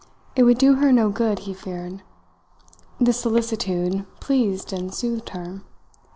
It would do her no good, he feared. This solicitude pleased and soothed her.